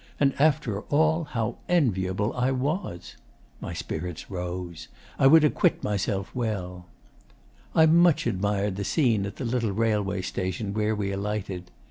And after all, how enviable I was! My spirits rose. I would acquit myself well.... 'I much admired the scene at the little railway station where we alighted.